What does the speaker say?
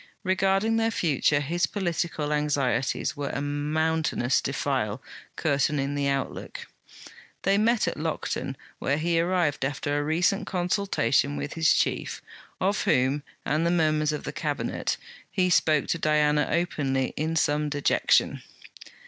Regarding their future, his political anxieties were a mountainous defile, curtaining the outlook. They met at Lockton, where he arrived after a recent consultation with his Chief, of whom, and the murmurs of the Cabinet, he spoke to Diana openly, in some dejection.